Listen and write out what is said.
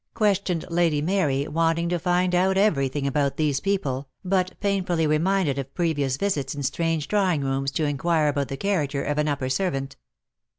questioned Lady Mary, want ing to find out everything about these people, but painfully reminded of previous visits in strange drawing rooms to inquire about the character of an upper servant.